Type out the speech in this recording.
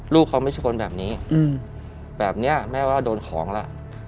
ลูกเขาไม่ใช่คนแบบนี้แบบนี้แม่ว่าโดนของแล้ว